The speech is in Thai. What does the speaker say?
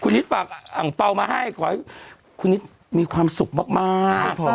คุณนิดฝากอ่างเปามาให้ขอให้คุณนิดมีความสุขมากมาก